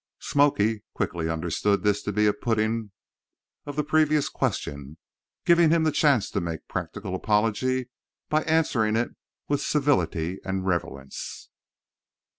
"Smoky" quickly understood this to be a putting of the previous question, giving him the chance to make practical apology by answering it with civility and relevance.